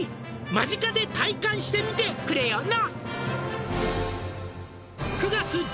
「間近で体感してみてくれよな！」